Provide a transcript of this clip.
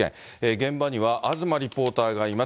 現場には東リポーターがいます。